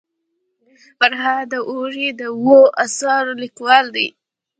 فرهاد داوري د اوو اثارو لیکوال دی.